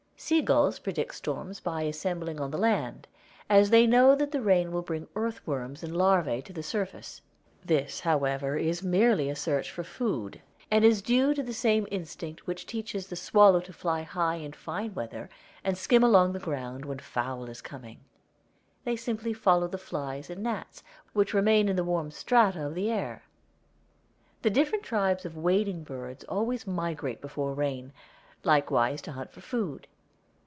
Sea gulls predict storms by assembling on the land, as they know that the rain will bring earth worms and larvæ to the surface. This, however, is merely a search for food, and is due to the same instinct which teaches the swallow to fly high in fine weather, and skim along the ground when foul is coming. They simply follow the flies and gnats, which remain in the warm strata of the air. The different tribes of wading birds always migrate before rain, likewise to hunt for food.